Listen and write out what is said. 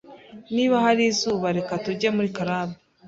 Niba hari izuba, reka tujye muri club.